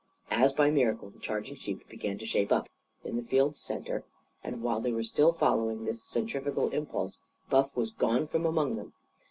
As by miracle, the charging sheep began to shape up, in the field's centre; and while they were still following this centrifugal impulse, Buff was gone from among them.